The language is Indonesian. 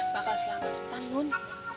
bakal selamat tahun